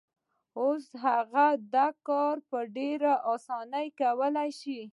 اوس هغه دا کار په ډېرې اسانۍ کولای شي.